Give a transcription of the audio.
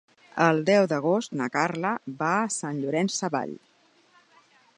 El deu d'agost na Carla va a Sant Llorenç Savall.